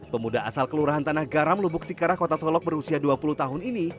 pemuda asal kelurahan tanah garam lubuk sikarah kota solok berusia dua puluh tahun ini